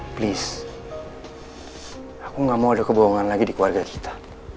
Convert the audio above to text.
please aku nggak mau ada kebohongan lagi di keluarga kita